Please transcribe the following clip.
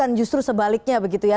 bukan justru sebaliknya begitu ya